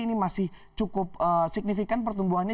ini masih cukup signifikan pertumbuhannya